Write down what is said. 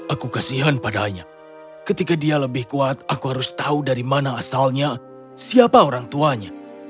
aku kasihan padanya ketika dia lebih kuat aku harus tahu dari mana asalnya siapa orang tuanya